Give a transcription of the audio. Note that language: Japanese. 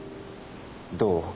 どう？